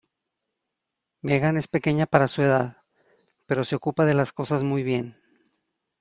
Megan es pequeña para su edad, pero se ocupa de las cosas muy bien.